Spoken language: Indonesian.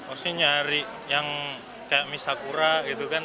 mesti nyari yang kayak mie sakura gitu kan